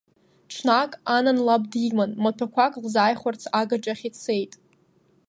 Ҽнак Анан лаб диман, маҭәақәак лзааихәарц агаҿахь ицеит.